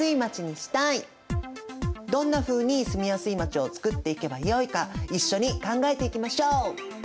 どんなふうに住みやすいまちをつくっていけばよいか一緒に考えていきましょう。